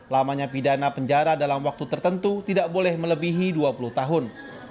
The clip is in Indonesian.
lamanya pidana penjara dalam waktu tertentu tidak boleh melebihi dua puluh tahun